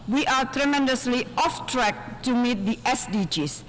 sebagai hasil kita sangat terlepas untuk bertemu sdgs pada tahun dua ribu tiga puluh